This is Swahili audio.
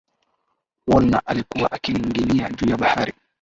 woolner alikuwa akininginia juu ya bahari